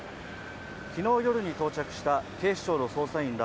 昨日夜に到着した警視庁の捜査員ら